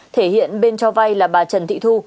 thể hiện bên cho vay là bà trần thị thu